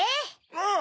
うん！